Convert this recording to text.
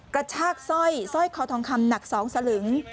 กระชากสร้อยสร้อยคอทองคำหนัก๒สลึง